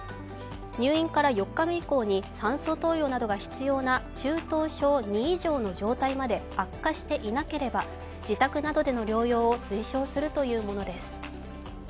入院から４日目以降に酸素投与が必要な中等症Ⅱ以上の状態まで悪化していなければ自宅などでの療養を推奨するというものです。